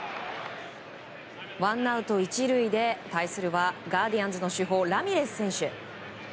ワンアウト１塁で、対するはガーディアンズの主砲ラミレス選手。